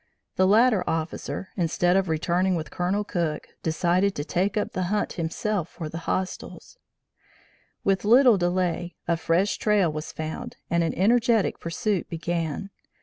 The latter officer instead of returning with Colonel Cook, decided to take up the hunt himself for the hostiles. With little delay, a fresh trail was found and an energetic pursuit began.